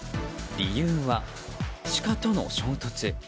理由はシカとの衝突。